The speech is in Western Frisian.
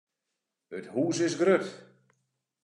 It hús is grut.